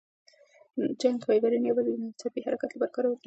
چټک فایبرونه یوازې د ناڅاپي حرکت لپاره کارول کېږي.